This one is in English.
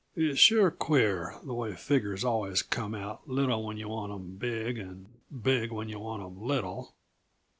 It's sure queer, the way figures always come out little when yuh want 'em big, and big when yuh want 'em little!